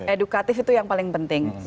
edukatif itu yang paling penting